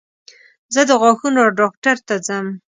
زه د غاښونو ډاکټر ته ځم.